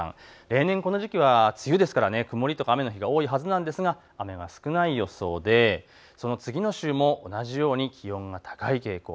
例年この時期は梅雨ですから曇りや雨の日が多いはずなんですが、雨が少ない予想で、その次の週も同じように気温が高い傾向。